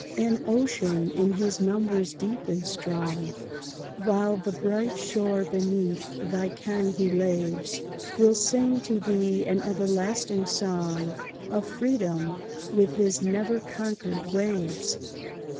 And ocean, in his numbers deep and strong, While the bright shore beneath thy ken he laves, Will sing to thee an everlasting song Of freedom, with his never conquered waves.